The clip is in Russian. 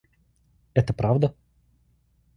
Это правда?